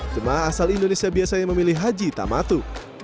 jemaah asal indonesia biasanya memilih haji tamatu